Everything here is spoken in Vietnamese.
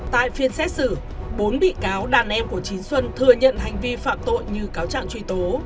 tại phiên xét xử bốn bị cáo đàn em của chín xuân thừa nhận hành vi phạm tội như cáo trạng truy tố